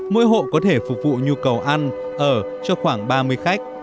mỗi hộ có thể phục vụ nhu cầu ăn ở cho khoảng ba mươi khách